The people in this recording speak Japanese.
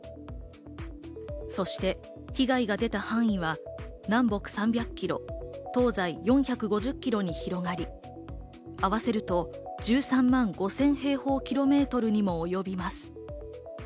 そして被害が出た範囲は南北３００キロ、東西４５０キロに広がり、合わせると１３万５０００平方キロメートルにも及びます。